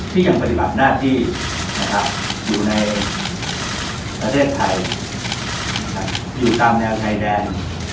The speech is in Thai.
ที่ยังปฏิบัติหน้าที่นะครับอยู่ในประเทศไทยอยู่ตามแนวชายแดน